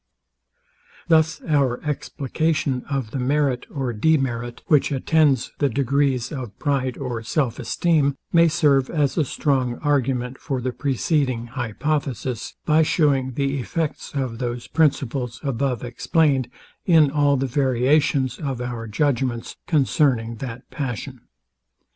Thus our explication of the merit or demerit, which attends the degrees of pride or self esteem, may serve as a strong argument for the preceding hypothesis, by shewing the effects of those principles above explained in all the variations of our judgments concerning that passion.